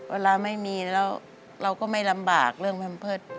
เวลาไม่มีแล้วเราก็ไม่ลำบากเรื่องแพมเพิร์ต